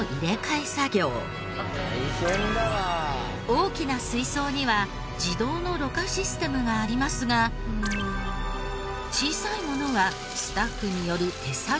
大きな水槽には自動のろ過システムがありますが小さいものはスタッフによる手作業です。